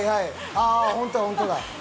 ああー本当だ本当だ。